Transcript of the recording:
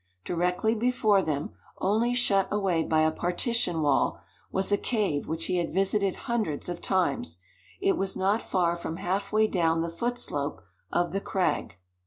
Directly before them, only shut away by a partition wall, was a cave which he had visited hundreds of times. It was not far from half way down the foot slope of the crag.